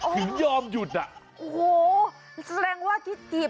ผีเหรอผี